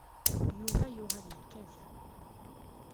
Yuba yuɣal yekkat.